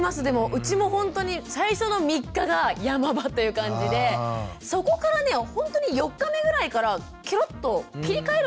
うちもほんとに最初の３日が山場という感じでそこからねほんとに４日目ぐらいからケロッと切り替えるんですよね。